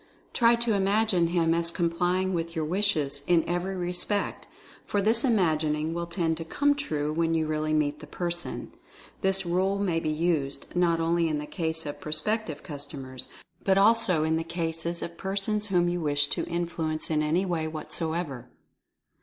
Try to imagine him as complying with your wishes, in every respect, for this imagining will tend to 'come true* when you really meet the person. This rule may be used, not only in the case of prospective customers, but also in the cases of persons whom you wish to influence in any way w hat so ever."